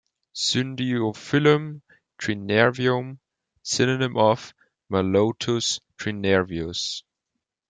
"Syndyophyllum trinervium" synonym of "Mallotus trinervius"